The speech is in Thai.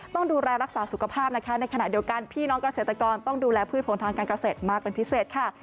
ต้องดูแลรักษาสุขภาพนะคะในขณะเดียวกันพี่น้องเกษตรกรต้องดูแลพืชผลทางการเกษตรมากเป็นพิเศษค่ะ